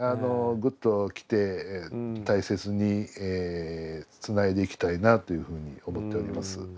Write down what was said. グッときて大切につないでいきたいなというふうに思っております。